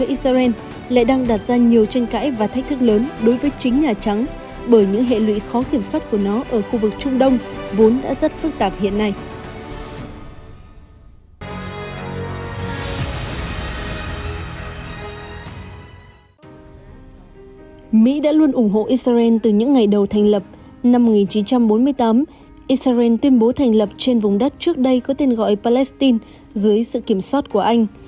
israel từ những ngày đầu thành lập năm một nghìn chín trăm bốn mươi tám israel tuyên bố thành lập trên vùng đất trước đây có tên gọi palestine dưới sự kiểm soát của anh